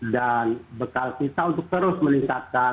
dan bekal kita untuk terus meningkatkan